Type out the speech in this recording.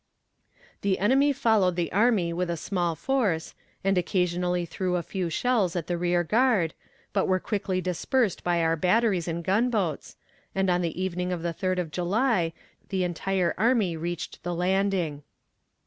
The enemy followed the army with a small force, and occasionally threw a few shells at the rear guard, but were quickly dispersed by our batteries and gun boats, and on the evening of the third of July the entire army reached the Landing.